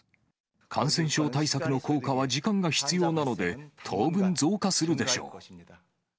感染症対策の効果は時間が必要なので、当分、増加するでしょう。